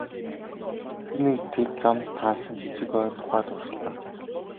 Энэ үед тэр замд таарсан жижиг ойн тухай дурслаа.